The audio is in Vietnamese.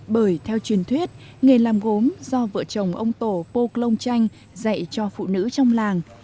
bởi theo truyền thuyết nghề làm gốm do vợ chồng ông tổ pô công tranh dạy cho phụ nữ trong làng